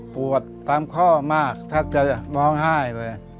ปวดตามข้อมากแทบจะร้องไห้เลย